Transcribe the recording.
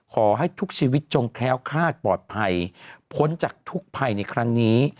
ขอให้ทุกชีวิตจงแคล้วคลาดปลอดภัยพ้นจากทุกภัยในครั้งนี้